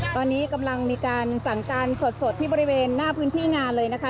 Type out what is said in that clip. ตอนนี้กำลังมีการสั่งการสดที่บริเวณหน้าพื้นที่งานเลยนะคะ